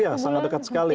iya sangat dekat sekali ya